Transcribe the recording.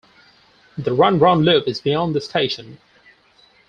The run-round loop is beyond the station.